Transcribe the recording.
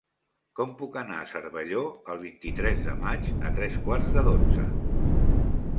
Com puc anar a Cervelló el vint-i-tres de maig a tres quarts de dotze?